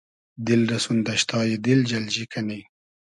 دیل رۂ سون دئشتای دیل جئلجی کئنی